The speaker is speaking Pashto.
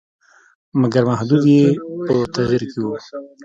مګر حدود یې په تغییر کې وو.